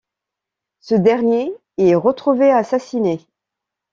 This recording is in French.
Ce dernier est retrouvé assassiné.